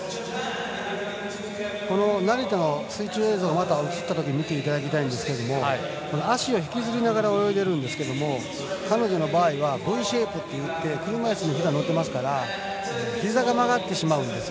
成田の水中映像が映ったときに見ていただきたいんですが足を引きずりながら泳いでるんですけど彼女の場合は車いすにふだん乗ってますからひざが曲がってしまうんです。